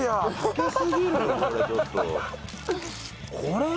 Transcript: これ？